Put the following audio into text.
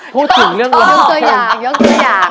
อย่างตัวอย่าง